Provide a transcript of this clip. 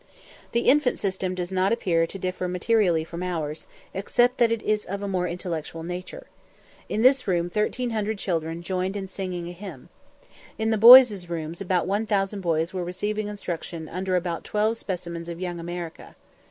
The infant system does not appear to differ materially from ours, except that it is of a more intellectual nature. In this room 1300 children joined in singing a hymn. In the boys' rooms about 1000 boys were receiving instruction under about 12 specimens of "Young America."